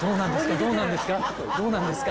どうなんですか？